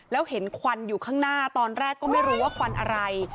แล้วเห็นควันอยู่ข้างหน้าตอนแรกก็ไม่รู้ว่าควันอะไร